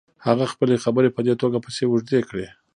هغه خپلې خبرې په دې توګه پسې اوږدې کړې.